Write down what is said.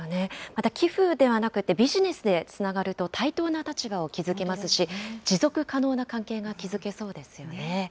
また寄付ではなくて、ビジネスでつながると対等な立場を築けますし、持続可能な関係が築けそうですよね。